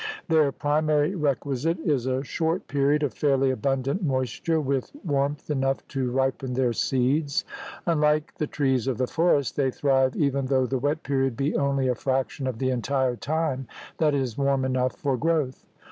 Their primary requisite is a short period of fairly abun dant moisture with warmth enough to ripen their seeds. Unlike the trees of the forests, they thrive even though the wet period be only a fraction of the entire time that is warm enough for growth.